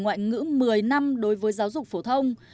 ngoại ngữ một mươi năm đối với giáo dục phổ thông